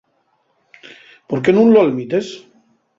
¿Por qué nun lo almites?